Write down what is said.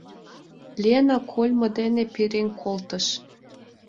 Лена кольмо дене перен колтыш.